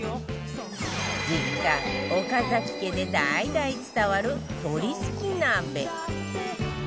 実家岡崎家で代々伝わる鶏すき鍋